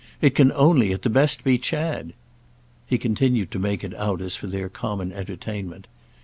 It can only, at the best, be Chad." He continued to make it out as for their common entertainment.